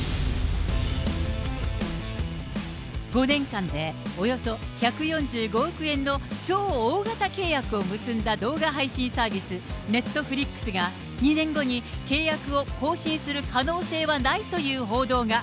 ５年間でおよそ１４５億円の超大型契約を結んだ動画配信サービス、ネットフリックスが、２年後に契約を更新する可能性はないという報道が。